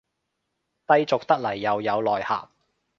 低俗得來又有內涵